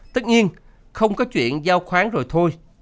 tất nhiên không có chuyện giao khoáng rồi thôi